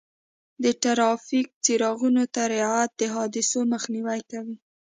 د ټرافیک څراغونو ته رعایت د حادثو مخنیوی کوي.